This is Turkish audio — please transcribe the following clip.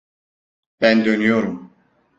Ben dönüyorum.